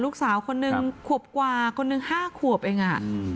ลูกสาวคนนึงขวบกว่าคนหนึ่ง๕ขวบเอง